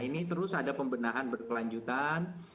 ini terus ada pembenahan berkelanjutan